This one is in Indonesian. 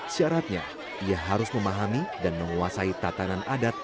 syaratnya ia harus memahami dan menguasai tatanan adat